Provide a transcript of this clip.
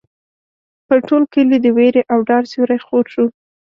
پر ټول کلي د وېرې او ډار سیوری خور شو.